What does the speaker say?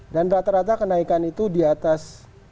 dan rata rata kenaikan itu di atas seribu dua ribu